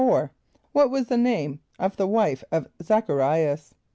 = What was the name of the wife of Z[)a]ch a r[=i]´as?